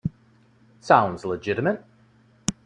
Sounds legitimate.